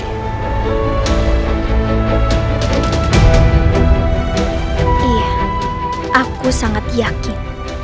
iya aku sangat yakin